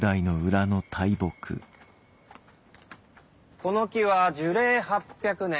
この樹は樹齢８００年。